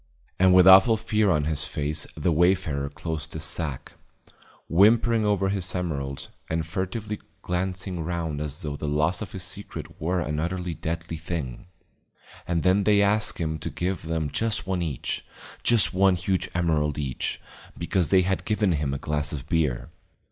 And with awful fear on his face the wayfarer closed his sack, whimpering over his emeralds and furtively glancing round as though the loss of his secret were and utterly deadly thing. And then they asked him to give them just one each, just one huge emerald each, because they had given him a glass of beer.